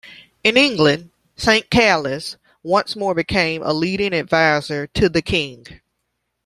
In England, St-Calais once more became a leading advisor to the king.